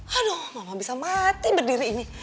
hanung mama bisa mati berdiri ini